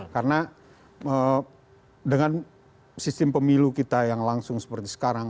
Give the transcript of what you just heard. karena dengan sistem pemilu kita yang langsung seperti sekarang